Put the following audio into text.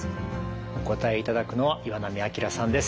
お答えいただくのは岩波明さんです。